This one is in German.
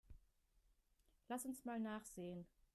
Lass uns mal nachsehen.